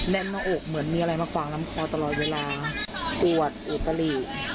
แม่นมาอกเหมือนมีอะไรมาควางล้ำคอตลอดเวลาอวดอุดตะหรี่